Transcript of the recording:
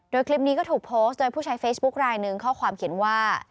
โดยคลิปนี้ก็ถูกโพสต์โดยผู้ใช้เฟซบุ๊คลายหนึ่งข้อความเขียนว่า